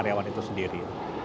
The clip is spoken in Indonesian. terhadap karyawan itu sendiri